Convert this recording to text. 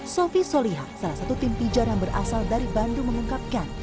sofi solihah salah satu tim pijar yang berasal dari bandung mengungkapkan